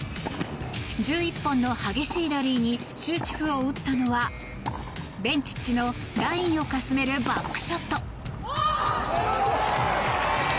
１１本の激しいラリーに終止符を打ったのはベンチッチのラインをかすめるバックショット。